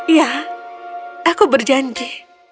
ya aku berjanji